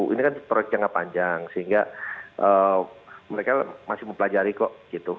ini kan proyek yang enggak panjang sehingga mereka masih mempelajari kok